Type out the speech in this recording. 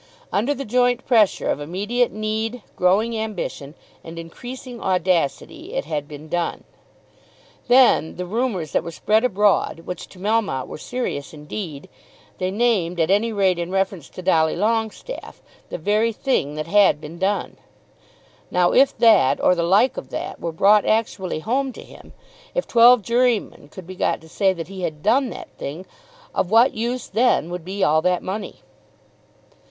Under the joint pressure of immediate need, growing ambition, and increasing audacity it had been done. Then the rumours that were spread abroad, which to Melmotte were serious indeed, they named, at any rate in reference to Dolly Longestaffe, the very thing that had been done. Now if that, or the like of that, were brought actually home to him, if twelve jurymen could be got to say that he had done that thing, of what use then would be all that money?